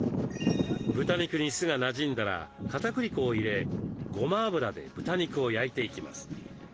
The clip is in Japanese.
豚肉に酢がなじんだらかたくり粉を入れごま油で豚肉を焼いていきます。